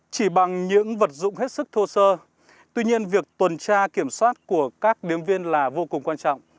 chỉ bằng những vật dụng hết sức thô sơ tuy nhiên việc tuần tra kiểm soát của các điếm viên là vô cùng quan trọng